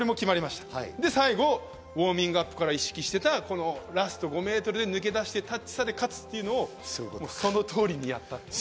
そして最後、ウオーミングアップから意識していたラスト５ｍ抜け出して、タッチ差で勝つというのをその通りにやった。